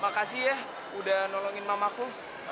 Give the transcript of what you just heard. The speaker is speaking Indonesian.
makasih ya udah nolongin mamaku